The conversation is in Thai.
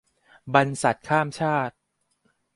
บรรษัทข้ามชาติ